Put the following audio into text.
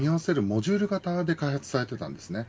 モジュール型で開発されていたんですね。